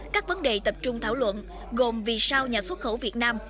các vấn đề tập trung thảo luận gồm vì sao nhà xuất khẩu việt nam